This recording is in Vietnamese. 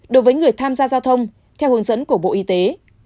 đối với người tham gia giao thông theo hướng dẫn của bộ y tế